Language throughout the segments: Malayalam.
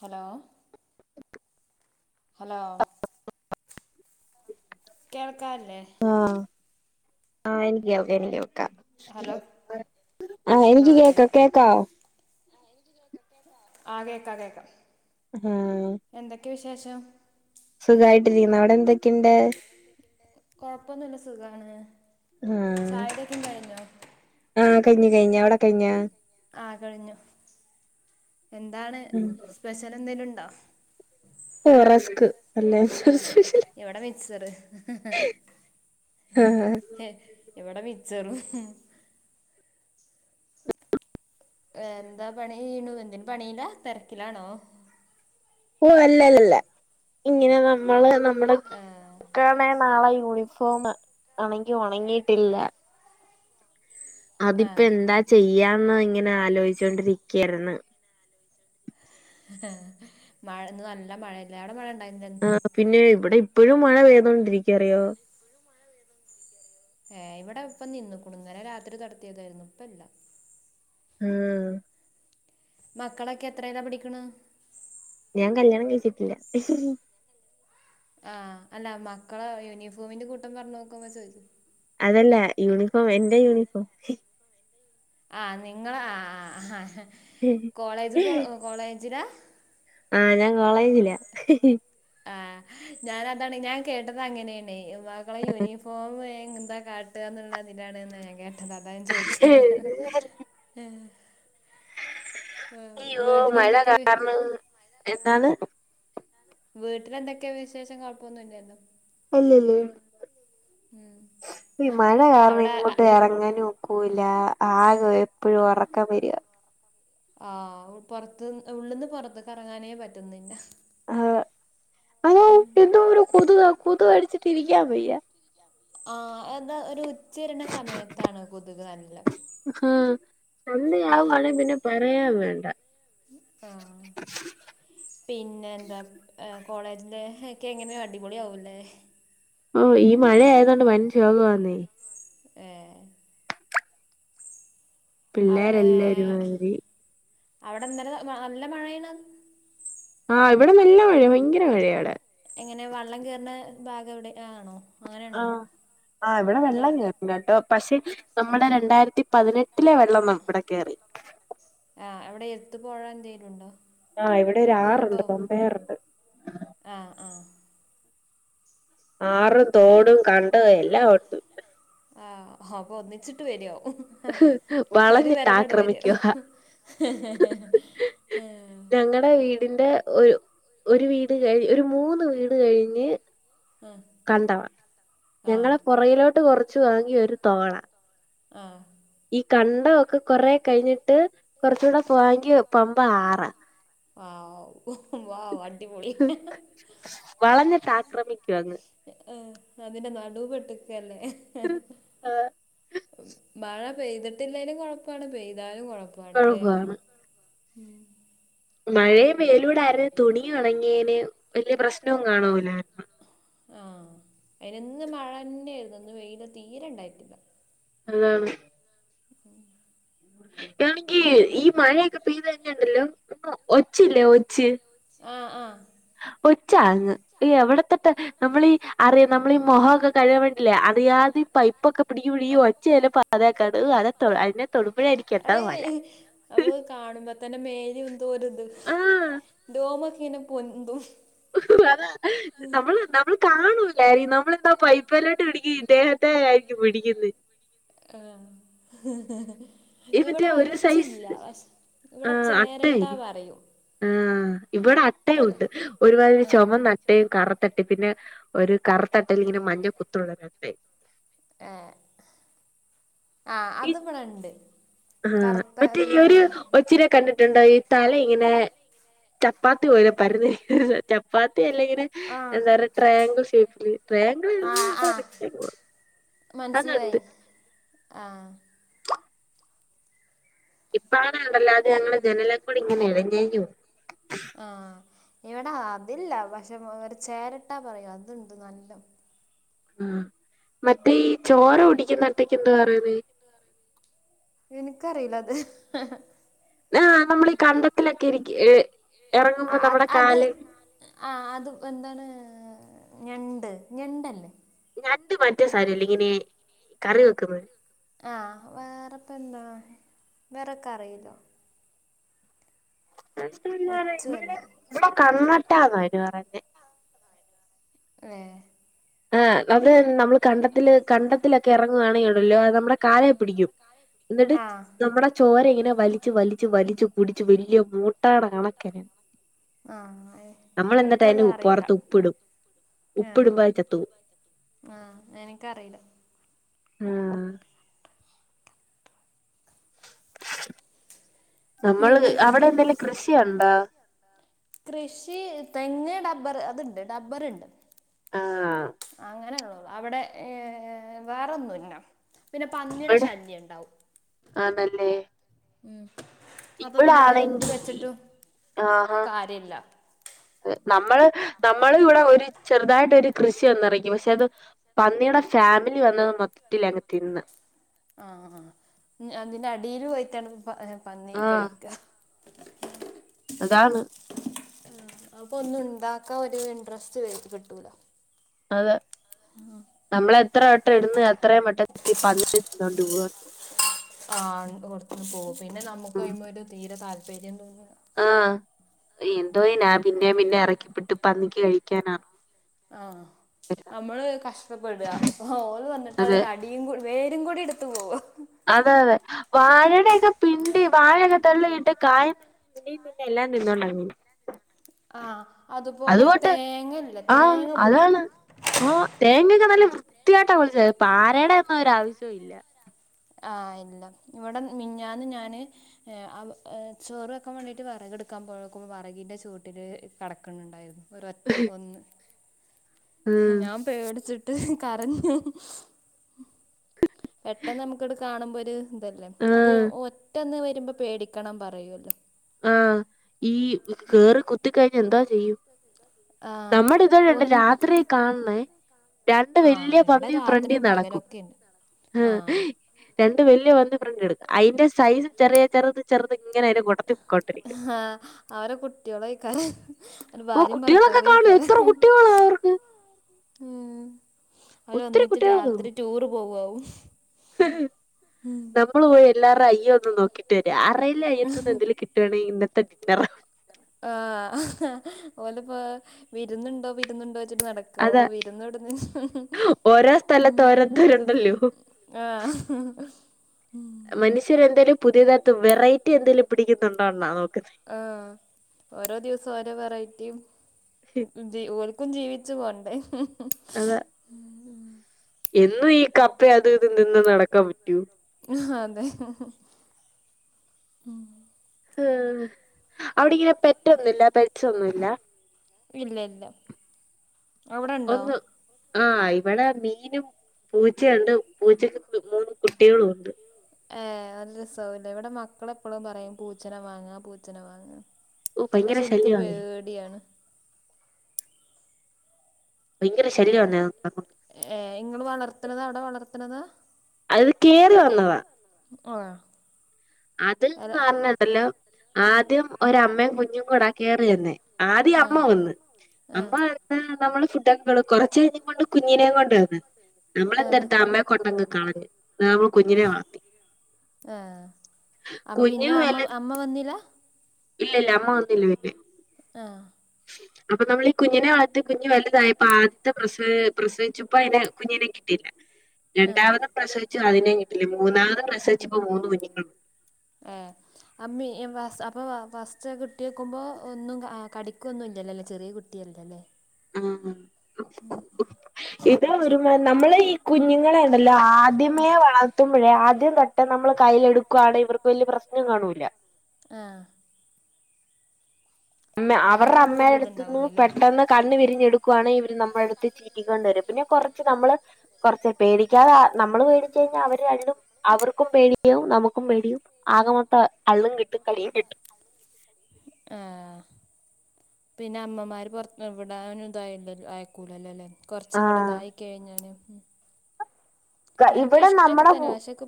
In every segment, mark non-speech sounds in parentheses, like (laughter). ഹലോ ഹലോ കേൾക്കാല്ലേ? ആഹ് ആഹ് എനിക്ക് കേൾക്ക എനിക്ക് കേൾ ക്ക ഹലോ ആഹ എനിക്ക് കേക്ക കേക്കാ? ആഹ കേക്കാ കേക്കാ. ഹും പേച്ചോ? സുഖായിട്ടിരിക്കുന്നു. അവിടെന്തൊക്കെയുണ്ട്? കൊഴപ്പൊന്നുല്ല സുഖാണ്. ചായുടിക്കെങ്ങ് കഴിഞ്ഞോ? ആഹ കഴിഞ്ഞു കഴിഞ്ഞ്. അവ്ടെ കഴിഞ്ഞ? ആ കഴിഞ്ഞു എന്താണ് സ്പെഷ്യലെന്തെലുണ്ടോ? ഓ റസ്ക്. അല്ല ആഹ ഇവിടെ മിച്ചറ്. ആഹ് ഇവിടെ മിച്ചറും. എന്താ പണിയ്യ്ണു എന്തിനു പണിയില, തെരക്കിലാണോ? ഓ അല്ലല്ലല്ലല്ല ഇങ്ങനെ നമ്മള് നമ്മടെ ആ ക്കാണെ നാളെ യൂണിഫോം ആണങ്കി ഒണങ്ങിയിട്ടില്ല. ആ അതിപ്പോ എന്താ ചെയ്യാന്നിങ്ങനെ ആലോയിച്ചോണ്ടിരിക്കായിരുന്നു. മഴ ഇന്ന് നല്ല മഴല്ലെ അവ്‌ടെ മഴ ഉണ്ടായിരുന്നില്ല ആ പിന്നെ ഇവിടെ ഇപ്പോഴും മഴ പെയ്തോണ്ടിരിക്ക, അറിയാവോ? ഏ ഇവിടെ ഇപ്പ നിന്നുകുണു ന്നലെ രാത്രി തൊട്ത്തിയതായിരുന്നു. ഇപ്പല്ലാ ഊം മക്കളൊക്കെ എത്രേല പഠിക്ക്ണ്? ഞാൻ കല്യാണം കഴിച്ചിട്ടില്ല. ആ അല്ല മക്കള യൂണിഫോമിന്റെ കൂട്ടം പറഞ്ഞു നോക്കുമ്പ ചോദിച്ചു അതല്ല യൂണിഫോം എന്റെ യൂണിഫോം ആ് നിങ്ങളെ ആ ആ ആ കോളേജ് പോ കോളേജിലാ ആ ഞാൻ കോളേജിലാ ആഹ് ഞാനതാണ് ഞാൻ കേട്ടത് അങ്ങനെയാണ് മക്കളെ യൂണിഫോം എന്താ കാട്ടാന്നുള്ളതിലാണ് ഞാൻ കേട്ടത് അതാ ചോദിച്ചത് ആഹ് അയ്യോ മഴ വീട്ടിലെന്തൊക്കെയാ വി- കാരണം എന്താണ് വീട്ടിലന്തൊക്കെ വിശേഷം കുഴപ്പൊന്നുല്ലല്ലോ അല്ലല്ല ഉം ഈ മഴ കാരണം അവിടെ ഇങ്ങോട്ട് ഇറങ്ങാനും ക്കുല ആകെ എപ്പോഴും ഉറക്കം വരാ ആ പുറത്ത് ഉള്ളിൽന്ന് പുറത്ത കറങ്ങാനേ പറ്റുന്നില്ല ആ അത ഉം എന്തോ ഒരു കൊതു കൊതു അടിച്ചിട്ട് ഇരിക്കാ വയ്യ ആ എന്താ ഒരു ഉച്ചരിണ സമയത്താണ് കൊതുക് നല്ല ആ അന്ന് (unintelligible) പിന്നെ പറയാ വേണ്ട ആ പിന്നെ ന്താ ആ കോളേജി ഒക്കെ എങ്ങനെ അടിപൊളി ആവുല്ലേ ആ ഈ മഴയതൊണ്ട് വന വാ (unintelligible) ന്നേ ഏ പിള്ളേരെ എല്ലരുമാതിരി അവിടെന്ന നല്ല മഴയണത് ആ ഇവിടെ നല്ല മഴ ഭയങ്കര മഴയാ ടെ എങ്ങനെ വള്ളം കയറുന്ന ഭാഗം വിടെ ആണോ ആ അങ്ങനെയാണോ ആ് ഇവിടെ ബല വെള്ളം കേറും കേട്ടോ പക്ഷെ നമ്മുടെ രണ്ടായിരത്തി പതിനെട്ടിലെ വെള്ളം നമ്മടെ കയറി ആ അവിടെ എത്തു പോഴ എന്തേങ്കലുംണ്ടോ ആ ഇവിടെ ഒരാറുണ്ട് തൊമ്പയാറുണ്ട് ആഹ് ആഹ് ആറും തോടും കണ്ടും എല്ലാം ഒട്ടും ആ ആ അപ്പൊ ഒന്നിച്ചിട്ട് വരുവോ ഒരു വളഞ്ഞിട്ട് വരവാട് വരോ ആക്രമിക്കുവ (unintelligible) ഞങ്ങളടെ വീടിന്റെ ഒരു ഒരു വീട് കഴഞ് ഒരു മൂന്ന് വീട് കഴിഞ്ഞ് കണ്ടവാ ആഹ് ഞങ്ങളെ പുറയിലോട്ട് കുറച്ച് വാങ്ങിയ ഒരു തോള ആ ഈ കണ്ട ഒക്കെ കൊറെ കഴിഞ്ഞിട്ട് കൊറച്ചൂടെ പോവാങ്കി പമ്പ ആറ ആവോ വാ വളഞ്ഞിട്ട് ആക്രമിക്കു അങ്ങനെ ആ അതിന്റെ നടുവ പെട്ടക്കല്ലേ ആഹ് മഴ പെയ്തിട്ടില്ലലും കുഴപ്പാണ് പെയ്താലും കുഴ അപാടല്ലേ കുഴപ്പാണ് മഴയ പേലൂടെ ആയിരുന്നു തുണി ഉണങ്ങിയന് വല്യ പ്രശ്നവും കാണൂലായിരുന്നു ആഹ അയിന് ഇന്ന് മഴ തന്നെയായിരുന്നു ഇന്ന് വെയില തീരെ ഇണ്ടായിട്ടില്ല (unintelligible) ണെങ്കി ഈ മഴയൊക്കെ പെയ്ത് തന്നെുണ്ടല്ലോ ഒച്ചില്ലേ ഒച്ച് ആഹ് ആഹ് ഒച്ച എവിടത്തെട്ട് നമ്മളീ അറിയാം നമ്മളീഈ മുഖംക്കെ കഴിയുമ്പോണ്ടല്ലേ അറിയാത ഈ പൈപ്പൊക്കെ പിടിപിട ഒച്ച (unintelligible) അത അതിനെ തൊടുമ്പോഴായിരിക്കും എന്താമാല അപ്പൊ കാണുമ്പോത്തന്നെ ന്തൊരുത് ആഹ് രോമക്കെ ഇങ്ങനെ പൊന്തും (unintelligible) നമ്മൾ നമ്മൾ കാണു നമ്മളെന്താ പൈപ്പല്ലോട്ട് പിടിക്ക ഇദ്ദേഹത്തെ ആയിരിക്കും പിടിക്കിന്ന് ആ ഈ ഇവിടെ മറ്റേ ഒരു സൈസ് ഒച്ചില്ല പക്ഷേ ഇവിടെ ചേരട്ടാ അട്ടയില്ലേ പറയൂ ആഹ് ഇവിടെ അട്ടയും ഉണ്ട് ഒരു മാതിരി ആഹ് ചുമന്നട്ടയും കറുത്തട്ട പിന്നെ ഒരു കറുത്തട്ടല് ഇങ്ങനെ മഞ്ഞ കുത്തുള്ളതുണ്ട് ഏ ആ, അത് ഇവിടെ ഉണ്ട് ആ, മറ്റേ ഈ ഒരു ഒച്ചിനെ കണ്ടിട്ടുണ്ടോ ഈ തല ഇങ്ങനെ ചപ്പാത്തി ചപ്പാത്തി പോലെ പരന്നിരിക്കുന്നെ, ചപ്പാത്തി അല്ലെങ്കിൽ ആഹ് എന്താ പറ ട്രയാങ്കിൾ ഷേപ്പ്, ട്രയാങ്കിൾ ആഹ് ആഹ് (unintelligible) മനസ്സിലായി അതുണ്ട് ആ ഇപ്പആണെ ഉണ്ടല്ലോ അത് ഞങ്ങ ജനലെക്കൂടെ ഇങ്ങനെ ഇഴഞ്ഞെഴഞ്ഞു പോവും ആ ഇവിടാ അതില്ല പക്ഷെ അവ ചേരട്ടാ പറയൂ അതുണ്ട് നല്ല ആ മറ്റേ ചോര കുടിക്കുന്നട്ടക്ക് എന്താ പറയുന്നെ എനിക്കറിയില്ല അത് ആ, നമ്മൾ ഈ കണ്ടത്തിലൊക്കെ ഇരിക്ക ഏ ആ അ അത് ആ അത് എന്താണ് ഞണ്ട്, ഞണ്ടല്ലേ ഞണ്ട് മറ്റേ സാധനല്ലേ ഇങ്ങനെ കറി വെക്കുന്നത്. ആ, വേറെ പ് എന്താ വേറൊക്കെ അറിയില്ലോ ഒച്ചുവല്ലോ ഇവിടെ കണ്ണട്ടാന്ന അതിന് പറ ഏ ആ, അവര് നമ്മൾ കണ്ട കണ്ടത്തിലൊക്കെ ഇറങ്ങ് ആണെ ഉണ്ടല്ലോ അത് നമ്മുടെ കാലേ പിടിക്കും എന്നിട്ട് ആ നമ്മുടെ ചോര ഇങ്ങനെ വലിച്ചു വലിച്ചു വലിച്ചു കുടിച്ചു വലിയ മൂട്ടേ ആ എനിക്കത് അറി ഉപ്പിടുമ്പം ആ. ആ എനിക്കറിയില്ല ആ നമ്മള് പിന്നെ അവിടെ എന്തെലും കൃഷിയണ്ടോ കൃഷി, തെങ്ങ് ഡബ്ബർ അതുണ്ട് ഡബ്ബർുണ്ട്. ആ അങ്ങനെ ഉള്ളു അവിടെ വേറൊന്നും ഇല്ല പിന്നെ പന്നിടെ ഇവിടെ ശല്യം ഉണ്ടാവും ആണല്ലേ അപ്പൊ ഇവിടെ പിന്നെ എന്ത് ആണെങ്കി വെച്ചിട്ടും ആഹാ കാര്യമില്ല നമ്മള് നമ്മള് ഇവിടെ ഒരു ചെറുതായിട്ടൊരു കൃഷി വന്നിറക്കും പക്ഷെ അത് പന്നിയുടെ ഫാമിലി വന്ന് മൊത്തത്തില് അങ്ങ് തിന്ന് ആ, ആ അതിന്റെ അടിൽ പോയിട്ടാണ് പന്നി ആഹ് കഴിക്ക അതാണ് അപ്പൊ ഒന്ന് ഉണ്ടാക്കാ ഒരു ഇൻട്രസ്റ്റ് കിട്ടൂലോ അതെ നമ്മള് എത്ര വട്ടം ഇന്ന് അത്രയും വട്ടം (unintelligible) ആ കൊടുത്ത് പോകും പിന്നെ നമുക്ക് കഴിയുമ്പോ ഒരു തീരെ താല്പര്യം തോന്ന ആ, എന്തോനാ പിന്നെ പിന്നെ ഇറക്കി ട്ട് പന്നിക്ക് കഴിക്കാനാണോ ആ, നമ്മള് കഷ്ടപ്പെടുക ഓല് വന്നിട്ട് അതെ അതിന്റെ അടിയും കടി വേരും കൂടി എടുത്തു പോവാ അതെ അതെ വാഴയുടെയൊക്കെ പിണ്ടി വാഴയൊക്കെ തള്ളിയിട്ട് കായ പിണ്ടീ എല്ലാം തിന്നോണ്ട ആ, അതുപോലെ തേങ്ങല്ല തേങ്ങ പൊളിക്കും ഓ തേങ്ങൊക്കെ നല്ല വൃത്തിയായിട്ടാ വിളിച്ചത് പാരയുടെ ഒന്നും ഒരു ആവശ്യവും ഇല്ല. ആ, ഇല്ല ഇവിടെ മിനിഞ്ഞാന്ന് ഞാന് ചോറ് വെക്കാൻ വേണ്ടീട്ട് വെറക്കെടുക്കാ ക്ക്പോഴക്കുമ്പോ വറകീന്റെ ചൂട്ടില് കിടക്കുന്നുണ്ടായിരുന്നു ഒരോഒറ്റ ഒന്ന് ഉം ഞാൻ പേ (unintelligible) (unintelligible) കരഞ്ഞു പെട്ടെന്ന് നമുക്കിവിടെ കാണുമ്പോ ഒരു ഇതല്ലേ ആ, അത് ഒറ്റന്ന് വരുമ്പോ പേടിക്കണം പറയൂല്ലോ ആ ഈ കേറി കുത്തിക്കഴിഞ്ഞ് എന്താ ചെയ്യും ആഹ് നമ്മുടെ ഇതോടെ ഉണ്ട് ഒന്ന് രാത്രിയ കാണണേ രണ്ട് ആഹ് വല്യ ഇവിടെ പന്നി ഫ്രണ്ടി രാത്രിയും നടക്കും പകലൊക്കെണ്ട് ആഹ് രണ്ട് വല് (unintelligible) അതിന്റെ സൈസ ചെറിയ ചെറുത് (unintelligible) ഇങ്ങനെ ഒരു കൊടത്തി (unintelligible) ആഹ് അവരെ കുട്ടികളായിക്കാരം അവരെ ഓ ഭാര്യയും കുട്ടികളൊക്കെ ഭർത്താവും കാണോ എത്ര കുട്ടികളാ അവർക്ക് മ് ഒത്തിരി അവര്ൊന്നിട്ട് രാത്രി ടൂറ് പോവവും (unintelligible) നമ്മൾ പോയി എല്ലരുടെ അയ്യ ഒന്നും നോക്കിട്ട് വരാ ആ റയില്ലേ അയ്യത്തൂന്ന് എന്തേലും കിട്ടുകണെങ്ക ഇന്നത്തെ (unintelligible) ആ ഓലെപ്പോ വിരുന്നുണ്ടോ വിരുന്നുണ്ടോ (unintelligible) നടക്ക അപ്പൊ അതാ വിരുന്നിടന്ന് ഓരോ സ്ഥലത്ത് ഓരോരുത്തരുണ്ടല്ലോ. (unintelligible) ആ (unintelligible) മനുഷ്യരെ എന്തേലും പുതിയതായി വെറൈറ്റി എന്തേലും പിടിക്കുന്നുണ്ടോ (unintelligible) ആ ഓരോ ദിവസം ഓരോ വെറൈറ്റിയും ക്കും ജീവിച്ചു പോണ്ടേ അതാ (unintelligible) എന്നും ഈ കപ്പയ അത് ഇത് നിന്ന് നടക്കാൻ പറ്റൂ ആ അതെ (unintelligible) അവിടെ ഇങ്ങനെ പെറ്റൊന്നുമില്ല പെട്സൊന്നുമില്ല ഇല്ല ഇല്ല. അവിടെണ്ടോ. ഒന്ന് ആ ഇവിടെ മീനും പൂച്ചേണ്ട്. പൂച്ചക്ക് മൂന്ന് കുട്ട്യേളുണ്ട്. ഏ (unintelligible) ഇവ്ടെ മക്കളെപ്പൊളും പറയും. പൂച്ചന വാങ്ങാ പൂച്ചന വാങ്ങ. ഓ ഭയങ്കര പക്ഷെ എനിക്ക് ശല്യമാന്നേ പേടിയാണ്. ഭയങ്കര ഈ ശല്യമാന്നേ ഏ ഇങ്ങള് വളർത്തണതാ അവിടെ വളർത്തണതാ. അ (unintelligible) ൽ കേറി വന്നത. (unintelligible) അത് അല്ല പറഞ്ഞണ്ടല്ലോ. ഉം ആദ്യം ഒരമ്മേം കുഞ്ഞും കൂടെ കേറി വർനെ. ആദ്യ അമ്മ ആഹ് വന്ന്. അമ്മ ആഹ് വ (unintelligible) ഞമ്മള്. ഫുഡ് (unintelligible) കൊറച്ച് (unintelligible) കുഞ്ഞിനേം കൊണ്ട് വന്ന്. ഞമ്മള് (unintelligible) അമ്മെ കൊണ്ടവന്ന് ആഹ് നമ്മളെന്തടുത്ത അമ്മയെ കൊണ്ടന്ന്. (inaudible) (unintelligible) കുഞ്ഞിനെ വളർത്തി. കുഞ്ഞു അപ്പൊപിന്നെ അമ്മ വലുതാ അമ്മ വന്നില. ഇല്ല ഇല്ല. അമ്മ വന്നില്ല പിന്നെ. ആ. അപ്പൊ നമ്മള് ഈ കുഞ്ഞിനെ വളർത്തി കുഞ്ഞ് വലുതായിപ്പൊ ആദ്യത്തെ പ്രസ പ്രസവിച്ചപ്പോ അതിനെ കുഞ്ഞിനെ കിട്ടിയില്ല. ആഹ് രണ്ടാമതും പ്രസവിച്ചു അതിനേം കിട്ടിയില്ല. മൂന്നാമതും പ്രസവിച്ചപ്പോ മൂന്ന് കുഞ്ഞുങ്ങളുണ്ട്. ഏ. അമ്മെ (unintelligible) അപ്പൊ ഫസ്റ്റ് കിട്ടിയക്കുമ്പോ ഒന്നും ആ കടിക്. (inaudible) കുിക്കൊന്നും ഇല്ല അല്ലെ. ചെറിയ കുട്ടിയല്ലലേ. ആ (unintelligible) ഇതാ (inaudible) ഒരു നമ്മള് ഈ കുഞ്ഞുങ്ങളെ ഉണ്ടല്ലോ. ഉം ആദ്യമേ വളർത്ത (inaudible) (unintelligible) ആദ്യം തൊട്ടെ നമ്മള് കൈൽ എടുക്കുവാണെങ്കി ഇവർക്ക് വല്ല്യ പ്രശ്നം കാണൂല്ല. ആ. അമ്മെ അവറ അങ്ങനെ (unintelligible) ആകുമ്പോ അമ്മ വലിയ അടുത്തന്ന് ഇതുണ്ടാവൂലല്ലേ പെട്ടെന്ന് കണ്ണ് വിരിഞ്ഞ് (unintelligible) (unintelligible) നമ്മുടെ അടുത്ത് ചീറ്റി കൊണ്ട്വരും. പിന്നെ കുറച്ച് നമ്മള് കുറച്ച് പേടിക്കാതെ. നമ്മൾ പേട (unintelligible) (unintelligible) അവർക്കും പേടിയും നമുക്കും പേടിയും. ആകമൊത്തം അള്ളും കിട്ടും കടിയും കിട്ടും. ആ. പിന്നെ അമ്മമാര് പൊർത്ത് എവിടാന ഇതായി അയക്കൂലല്ലോല്ലേ. കൊറച്ചും കൂടെ ആഹ് ഇതായി കഴിഞ്ഞാന്. ഇൻക്ക് ഇവിടെ ഇഷ്ടൊക്കെ നമ്മടെ തന്നെ. പക്ഷക്കെ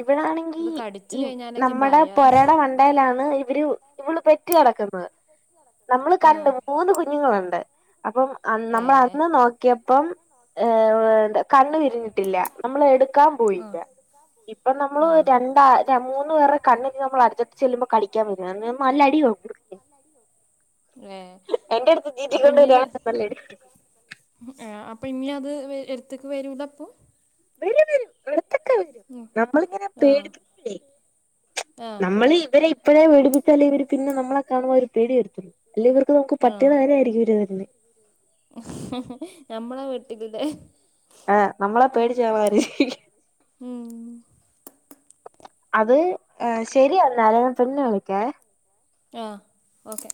ഇവിടേണങ്കി കടിച്ചു ഈ കഴിഞ്ഞാലൊക്കെ നമ്മടെ ഭയാണ് പൊരേടെ മണ്ടയിലാണ് ഇവര് ഇവള് പെറ്റ് കിടക്കു (unintelligible) നമ്മള് കണ്ട് ആഹ് മൂന്ന് കുഞ്ഞുങ്ങളുണ്ട്. അപ്പം അ (unintelligible) നമ്മൾ ഏഹ് അന്ന് നോക്കിയപ്പം. ഏ എന്താ കണ്ണ് വിരിഞ്ഞിട്ടില്ല. നമ്മള് എടുക്കാൻ പോയില്ല. ആഹ് ഇപ്പം നമ്മള് ആഹ് രണ്ടാ (unintelligible) മൂന്ന് പേര (unintelligible) കണ്ണിന് നമ്മൾ (unintelligible) ചെല്ലുമ്പോ കളിക്കാൻ. (unintelligible) (inaudible) അോ (inaudible) (unintelligible) എന്റെ അടുത്ത്. (unintelligible) ആ അപ്പൊ ഇന്ന് അത് വ എടുത്തുക്ക് വരൂല അപ്പൊ. വരും വരും അടുത്ത്. (unintelligible) നമ്മളിങ്ങനെ ആഹ് പേടിപിക്കില്ലേ. ആഹ് നമ്മള് ഇവരെ (inaudible) ഇപ്പോഴേ പേടിപ്പിചാല് ഇവര് പിന്നെ നമ്മളെ കാണുമ്പോ ഒരു പേടി വരുത്തുന്നു. അല്ലങ്ക ഇവർക്ക് നമുക്ക് പട്ടിന ആഹ് (unintelligible) ഇര് തരുന്ന. ഞമ്മളെ (unintelligible) ആ നമ്മളെ പേടിച (unintelligible) ഉം അത് ആ ശരി എന്നാല്. പിന്നെ വിളിക്കേ. ആ, ഓക്കെ.